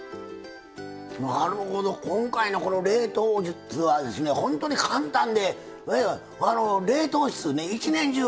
なるほど今回のこの冷凍術はほんとに簡単で冷凍室一年中